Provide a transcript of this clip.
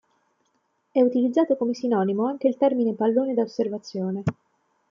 È utilizzato come sinonimo anche il termine pallone da osservazione.